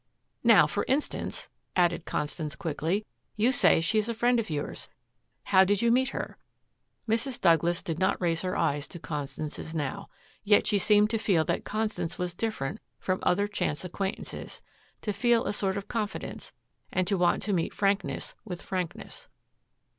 "Now, for instance," added Constance quickly, "you say she is a friend of yours. How did you meet her?" Mrs. Douglas did not raise her eyes to Constance's now. Yet she seemed to feel that Constance was different from other chance acquaintances, to feel a sort of confidence, and to want to meet frankness with frankness.